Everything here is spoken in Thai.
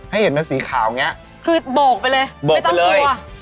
ให้เห็นมันสีขาวอย่างนี้คือโบกไปเลยไม่ต้องกลัวอ่ะ